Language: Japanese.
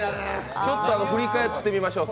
ちょっと振り返ってみましょう。